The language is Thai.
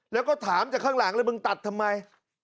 แล้วก็ถามจากข้างหลังเลยมึงตัดทำไม